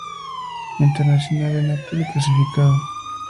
Internazionale Napoli clasificado.